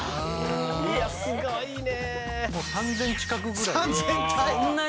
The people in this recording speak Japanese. いやすごいね。